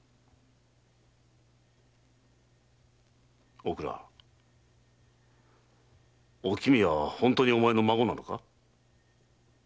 おくらおきみは本当にお前の孫なのか？